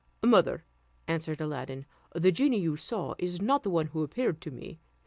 "Mother," answered Aladdin, "the genie you saw is not the one who appeared to me.